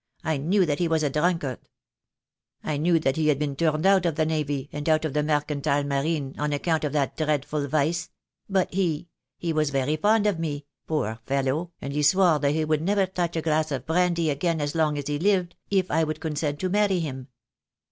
I knew that he was a drunkard. THE DAV WILL COME. 1 89 I knew that he had been turned out of the navy, and out of the mercantile marine on account of that dreadful vice — but he — he was very fond of me, poor fellow, and he swore that he would never touch a glass of brandy again as long as he lived, if I would con sent to marry him.